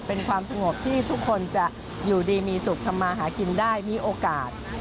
เป็นความสงบที่ทุกคนจะอยู่ดีมีสุขทำมาหากินได้มีโอกาส